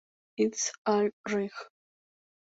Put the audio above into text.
It's Alright.